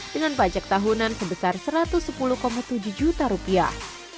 dengan pajak tahunan sebesar satu ratus sepuluh tujuh juta rupiah